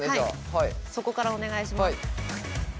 そこからお願いします。